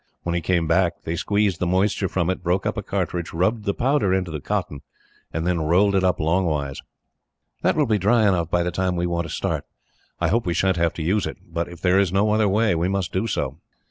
When he came back, they squeezed the moisture from it, broke up a cartridge, rubbed the powder into the cotton, and then rolled it up longways. "That will be dry enough, by the time we want to start," Dick said. "I hope we sha'n't have to use it, but if there is no other way, we must do so."